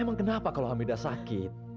emang kenapa kalau hamida sakit